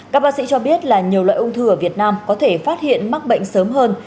các bác sĩ cho biết là nhiều loại ung thư ở việt nam có thể phát hiện mắc bệnh sớm hơn